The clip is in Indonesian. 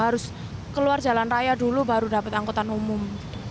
harus keluar jalan raya dulu baru dapat angkutan umum